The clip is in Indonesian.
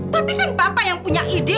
tapi kan bapak yang punya ide